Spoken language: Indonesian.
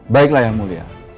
baiklah yang mulia